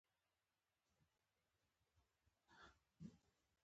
مصنوعي ځیرکتیا د عقل او تخنیک ترمنځ واټن راکموي.